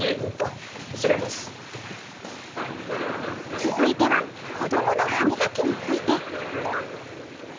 続いては子どもの歯みがきについて。